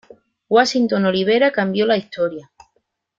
Washington Olivera cambio la historia.